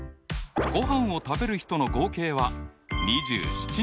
ごはんを食べる人の合計は２７人。